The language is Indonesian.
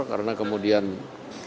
karena kemudian kita akan menjadi baper